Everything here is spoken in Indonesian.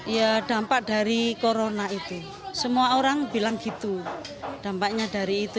ya dampak dari corona itu semua orang bilang gitu dampaknya dari itu